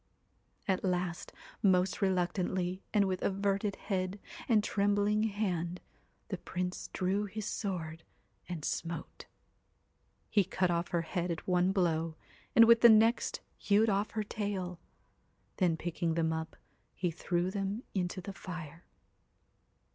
At last, most reluctantly, and with averted head and trembling hand, the Prince drew his sword and smote. He cut off her head at one blow, and with the next hewed off her tail. Then picking them up, he threw them into the fire.